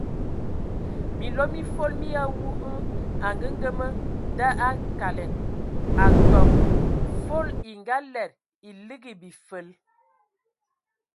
Minlo mi fol mi awu hm angəngəmə da akalɛn atɔm, fol e ngalɛdə e ligi bifəl.